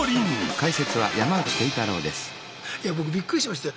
いや僕びっくりしましたよ。